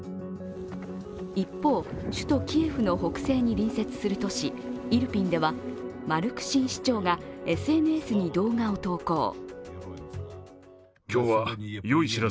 一方、首都キエフの北西に隣接する都市イルピンではマルクシン市長がＳＮＳに動画を投稿。